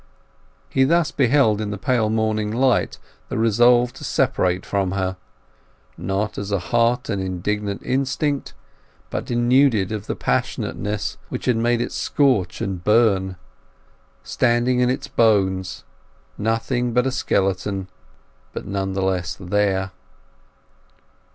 He thus beheld in the pale morning light the resolve to separate from her; not as a hot and indignant instinct, but denuded of the passionateness which had made it scorch and burn; standing in its bones; nothing but a skeleton, but none the less there.